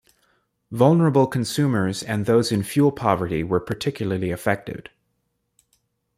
Vulnerable consumers and those in fuel poverty were particularly affected.